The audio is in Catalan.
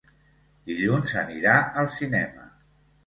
Dilluns anirà al cinema.